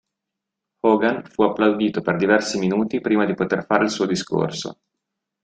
Hogan fu applaudito per diversi minuti prima di poter fare il suo discorso.